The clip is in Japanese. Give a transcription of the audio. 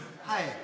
はい。